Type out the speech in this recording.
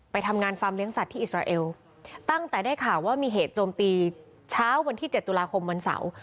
ไปทำงานฟาร์มเลี้ยสัตว์อิสราเอลตั้งแต่ได้ข่าวว่ามีเหตุโจมตีเช้าวันที่๗ตุลาคมวันเสาร์